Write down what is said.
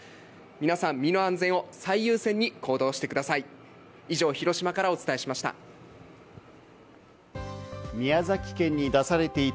皆さん、身の安全を最優先に行動してください。